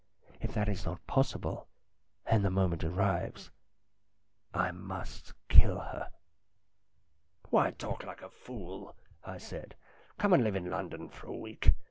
If that is not possible, and the moment arrives, I must kill her." "Why talk like a fool?" I said. "Come and live in London for a week.